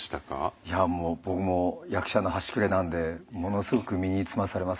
いやもう僕も役者の端くれなんでものすごく身につまされます。